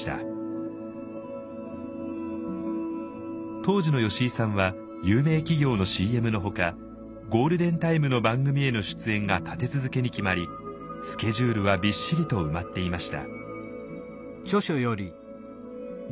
当時の吉井さんは有名企業のＣＭのほかゴールデンタイムの番組への出演が立て続けに決まりスケジュールはびっしりと埋まっていました。